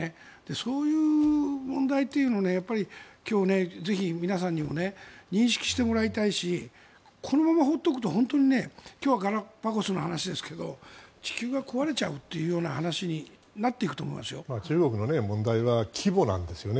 そういう問題というのを今日、ぜひ皆さんにも認識してもらいたいしこのまま放っておくと今日はガラパゴスの話ですが地球が壊れちゃうというような話に中国の問題は規模なんですよね。